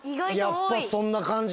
やっぱそんな感じですね。